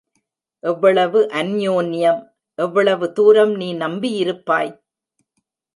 எவ்வளவு அன்யோன்யம், எவ்வளவு தூரம் நீ நம்பியிருப்பாய்?